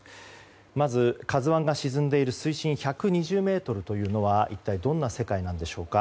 まず「ＫＡＺＵ１」が沈んでいる水深１２０ｍというのは一体どんな世界なんでしょうか。